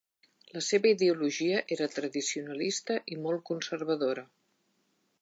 La seva ideologia era tradicionalista i molt conservadora.